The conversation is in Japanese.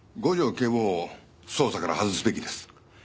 警部補を捜査からはずすべきです。